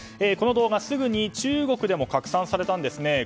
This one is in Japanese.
この動画は、すぐに中国でも拡散されたんですね。